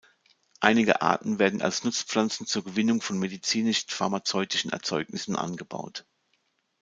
Einige Arten werden als Nutzpflanzen zur Gewinnung von medizinisch-pharmazeutischen Erzeugnissen angebaut.